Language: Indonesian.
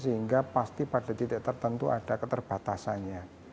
sehingga pasti pada titik tertentu ada keterbatasannya